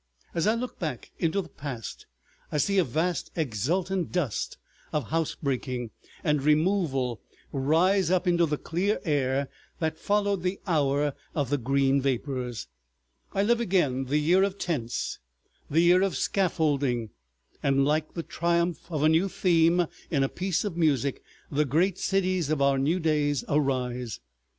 As I look back into the past I see a vast exultant dust of house breaking and removal rise up into the clear air that followed the hour of the green vapors, I live again the Year of Tents, the Year of Scaffolding, and like the triumph of a new theme in a piece of music—the great cities of our new days arise.